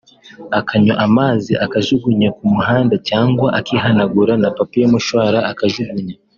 akanywa amazi akajugunya ku muhanda cyangwa akihanagura na papier mouchoir akajugunya